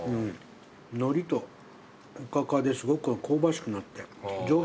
のりとおかかですごく香ばしくなって。